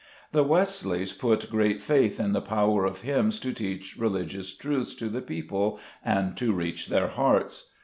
The Wesleys put great faith in the power of hymns to teach religious truths to the people and to reach their hearts.